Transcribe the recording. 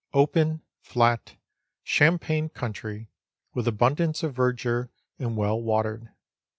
open, flat, champaign country, with abundance of verdure, and well watered.